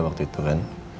waktu itu kan